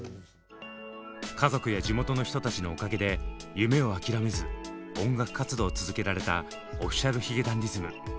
家族や地元の人たちのおかげで夢を諦めず音楽活動を続けられたＯｆｆｉｃｉａｌ髭男ｄｉｓｍ。